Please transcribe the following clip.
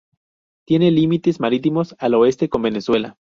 Tiene límites marítimos al oeste con Venezuela.